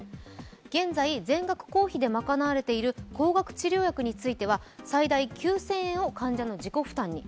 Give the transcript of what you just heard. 現在、全額公費で賄われている高額治療費については最大９０００円を患者の自己負担に。